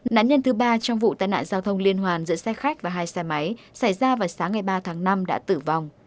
nạn nhân thứ ba trong vụ tai nạn giao thông liên hoàn giữa xe khách và hai xe máy xảy ra vào sáng ngày ba tháng năm đã tử vong